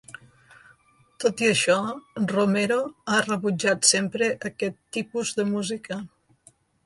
Tot i això, Romero, ha rebutjat sempre aquest tipus de música.